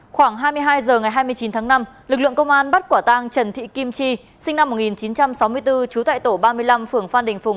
khoảng hai mươi hai h ngày hai mươi chín tháng năm lực lượng công an bắt quả tang trần thị kim chi sinh năm một nghìn chín trăm sáu mươi bốn trú tại tổ ba mươi năm phường phan đình phùng